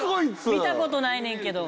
見た事ないねんけど。